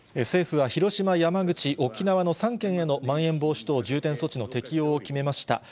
政府は広島、山口、沖縄の３県へのまん延防止等重点措置の適用を決めました。